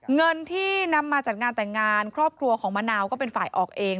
เงินที่นำมาจัดงานแต่งงานครอบครัวของมะนาวก็เป็นฝ่ายออกเอง